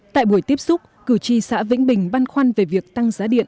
tại buổi tiếp xúc cử tri xã vĩnh bình băn khoăn về việc tăng giá điện